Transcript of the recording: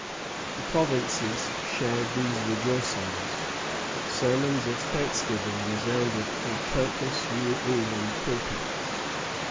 The provinces shared these rejoicings. Sermons of thanksgiving resounded from countless New England pulpits.